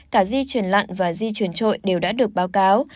cả di truyền lặn và di truyền trội đều đã được báo cáo